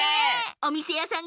おみせやさん